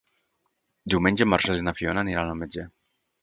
Diumenge en Marcel i na Fiona aniran al metge.